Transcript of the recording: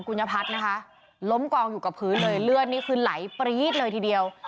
คุณยพัฒน์นะคะล้มกองอยู่กับพื้นเลยเลือดนี่คือไหลปรี๊ดเลยทีเดียว